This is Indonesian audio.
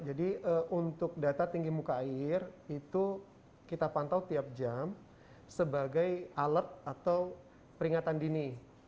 untuk data tinggi muka air itu kita pantau tiap jam sebagai alat atau peringatan dini